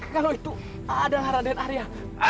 kalau itu ada raden arya